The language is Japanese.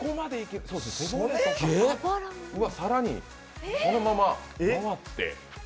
さらに、そのまま回って？